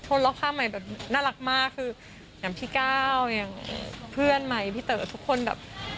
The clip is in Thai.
ล็อกผ้าใหม่แบบน่ารักมากคืออย่างพี่ก้าวอย่างเพื่อนใหม่พี่เต๋อทุกคนแบบ